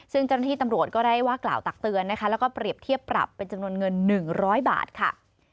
ซึ่งเจ้าหน้าที่ตำรวจก็ได้ว่ากล่าวตักเตือนนะคะแล้วก็เปรียบเทียบปรับเป็นจำนวนเงิน๑๐๐บาทค่ะ